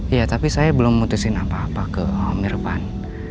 iya tapi saya belum memutuskan apa apa ke om irfan